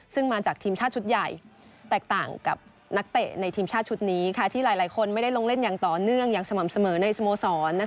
ซึ่งมาจากทีมชาติชุดใหญ่แตกต่างกับนักเตะในทีมชาติชุดนี้ที่หลายคนไม่ได้ลงเล่นอย่างต่อเนื่องอย่างสม่ำเสมอในสโมสร